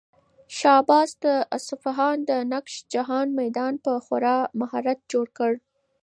شاه عباس د اصفهان د نقش جهان میدان په خورا مهارت جوړ کړ.